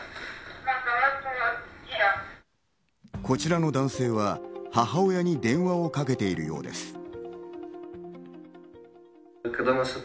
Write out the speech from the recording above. こちらの男性は母親に電話をかけているようです。